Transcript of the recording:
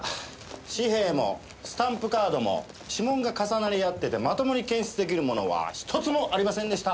紙幣もスタンプカードも指紋が重なり合っててまともに検出出来るものは一つもありませんでした。